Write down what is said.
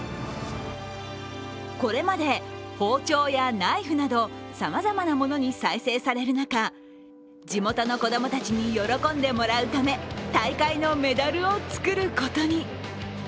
これまで包丁やナイフなどさまざまなものに再生される中、地元の子供たちに喜んでもらうため、大会のメダルを作ることに。